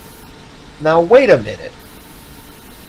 Now wait a minute!